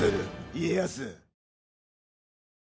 家康。